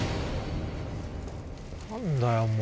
何だよ